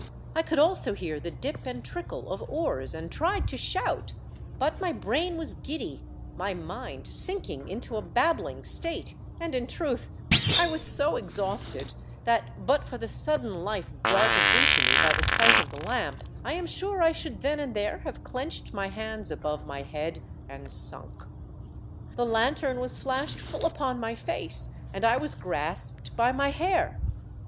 I could also hear the dip and trickle of oars, and tried to shout ; but my brain was giddy, my mind sinking into a babbling state, and in truth I was so exhausted, that but for the sudden life darted into me by the sight of the lamp, I am sure I should then and there have clenched my hands above my head and sunk. The lanthorn was flashed full upon my face and I was grasped by my hair.